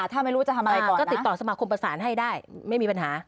ถ้าไม่รู้จะทำอะไรก่อนก็ติดต่อสมาคมประสานให้ได้ไม่มีปัญหา